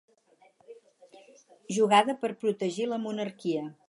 Jugada per protegir la monarquia.